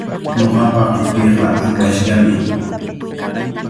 Ñuqapa qipiiqa ankashllami.